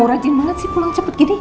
rajin banget sih pulang cepat gini